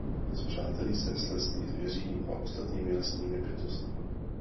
Spřátelí se s lesní zvěří a ostatními lesními bytostmi.